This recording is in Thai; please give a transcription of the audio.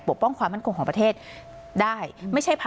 ปกป้องความมั่นคงของประเทศได้